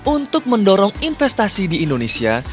untuk mendorong investasi di indonesia